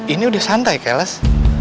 ini udah santai keles